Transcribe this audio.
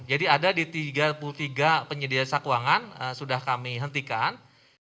jadi ada di tiga puluh tiga penyedia jasa keuangan sudah kami hentikan